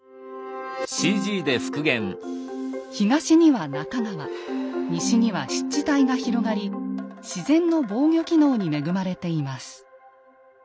東には中川西は湿地帯が広がり自然の防御機能に恵まれています。